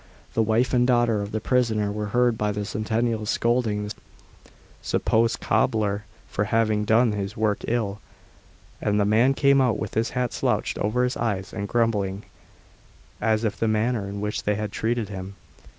The wife and daughter of the prisoner were heard by the sentinels scolding the supposed cobbler for having done his work ill, and the man came out with his hat slouched over his eyes, and grumbling, as if at the manner in which they had treated him.